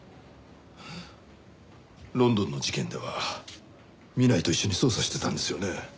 ロンドンの事件では南井と一緒に捜査してたんですよね？